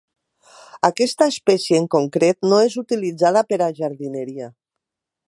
Aquesta espècie en concret no és utilitzada per a jardineria.